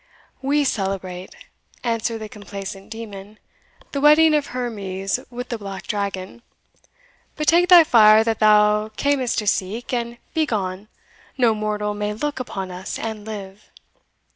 "We celebrate," answered the complaisant demon, "the wedding of Hermes with the Black Dragon But take thy fire that thou camest to seek, and begone! no mortal may look upon us and live."